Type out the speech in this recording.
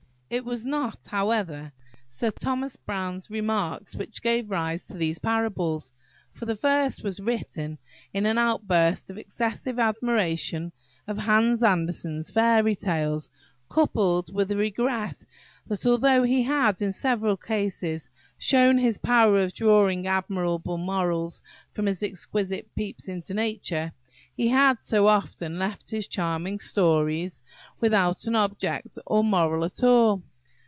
It was not, however, Sir Thomas Browne's remarks which gave rise to these parables; for the first was written in an outburst of excessive admiration of Hans Andersen's Fairy Tales, coupled with a regret that, although he had, in several cases, shown his power of drawing admirable morals from his exquisite peeps into nature, he had so often left his charming stories without an object or moral at all.